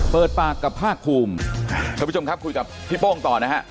เปิดปากกับภาคภูมิท่านผู้ชมครับคุยกับพี่โป้งต่อนะฮะ